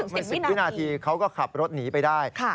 ไม่ถึง๑๐นาทีเขาก็ขับรถหนีไปได้ค่ะ